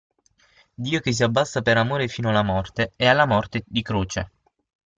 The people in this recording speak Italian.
Dio che si abbassa per amore fino alla morte, e alla morte di croce.